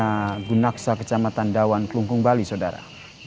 dengan gunaksa kecamatan dawan kelungkung bali sodara